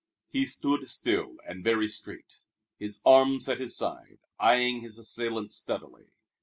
He stood still and very straight, his arms at his sides, eying his assailants steadily.